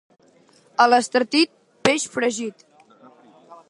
A l'Estartit, peix fregit.